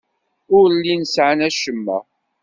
Ur llin sɛan acemma.